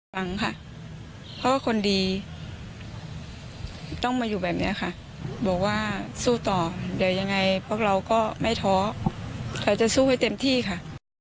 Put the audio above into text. ฟังค่ะเพราะว่าคนดีต้องมาอยู่แบบนี้ค่ะบอกว่าสู้ต่อเดี๋ยวยังไงพวกเราก็ไม่ท้อเราจะสู้ให้เต็มที่ค่ะ